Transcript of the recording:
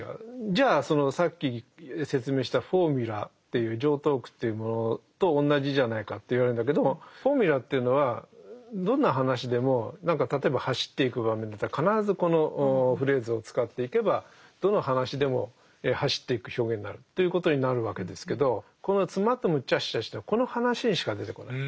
じゃあそのさっき説明したフォーミュラという常套句というものと同じじゃないかと言われるんだけどフォーミュラというのはどんな話でも例えば走っていく場面だったら必ずこのフレーズを使っていけばどの話でも走っていく表現になるということになるわけですけどこの「スマトゥムチャシチャシ」というのはこの話にしか出てこない。